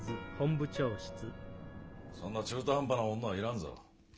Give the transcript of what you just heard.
そんな中途半端な女は要らんぞ。